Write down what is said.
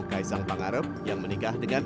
kaisang pangarep yang menikah dengan